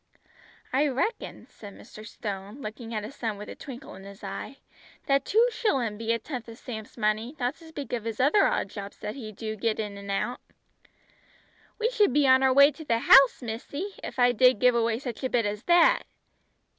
"I reckon," said Mr. Stone looking at his son with a twinkle in his eye, "that two shillin' be a tenth o' Sam's money, not to speak of his other odd jobs that he do get in an' out." "We should be on the way to the House, missy, if I did give away such a bit as that!"